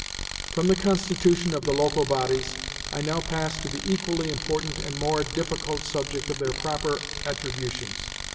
From the constitution of the local bodies, I now pass to the equally important and more difficult subject of their proper attributions.